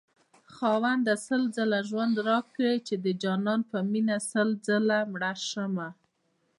خاونده سل ځله ژوند راكړې چې دجانان په مينه سل ځله مړشمه